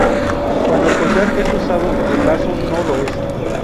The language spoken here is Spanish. Cuando el collar es usado el lazo no lo es.